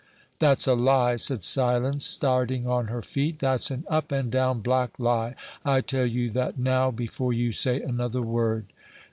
"That's a lie," said Silence, starting on her feet; "that's an up and down black lie! I tell you that, now, before you say another word."